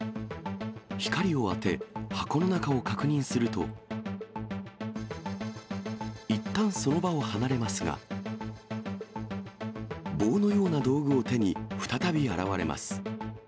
光を当て、箱の中を確認すると、いったん、その場を離れますが、棒のような道具を手に、再び現れます。